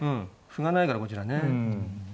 歩がないからこちらね。